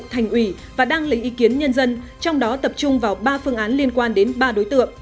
thành ủy và đăng lấy ý kiến nhân dân trong đó tập trung vào ba phương án liên quan đến ba đối tượng